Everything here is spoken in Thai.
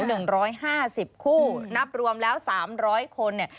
หนึ่งร้อยห้าสิบคู่นับรวมแล้วสามร้อยคนเนี่ย